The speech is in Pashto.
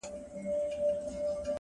دى خو بېله تانه كيسې نه كوي ـ